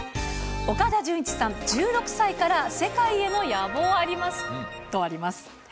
岡田准一さん、１６歳から世界への野望ありますとあります。